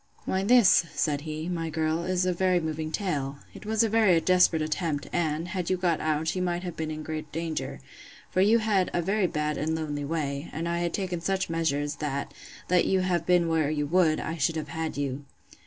Why, this, said he, my girl, is a very moving tale. It was a very desperate attempt, and, had you got out, you might have been in great danger; for you had a very bad and lonely way; and I had taken such measures, that, let you have been where you would, I should have had you.